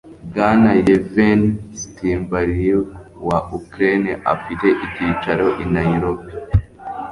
bwana yevhenii tsymbaliuk, wa ukraine, afite icyicaro i nairobi